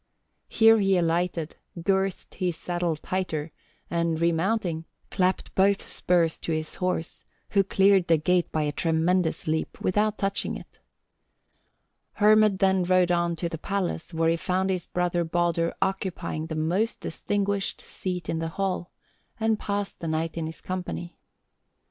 Here he alighted, girthed his saddle tighter, and remounting, clapped both spurs to his horse, who cleared the gate by a tremendous leap without touching it. Hermod then rode on to the palace, where he found his brother Baldur occupying the most distinguished seat in the hall, and passed the night in his company.